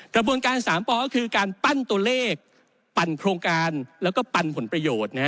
กระบวนการ๓ปก็คือการปั้นตัวเลขปั่นโครงการแล้วก็ปั่นผลประโยชน์